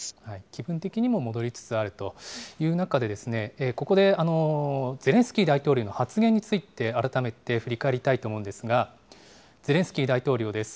基本的にも戻りつつあるという中で、ここでゼレンスキー大統領の発言について、改めて振り返りたいと思うんですが、ゼレンスキー大統領です。